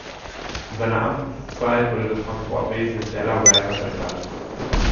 In seiner Amtszeit wurde das Transportwesen in Delaware verbessert.